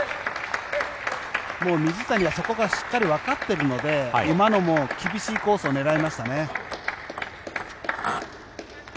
水谷はそこがしっかりわかっているので今のも厳しいコースを狙いましたね。